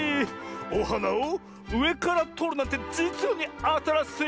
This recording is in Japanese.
おはなをうえからとるなんてじつにあたらしい！